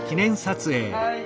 はい！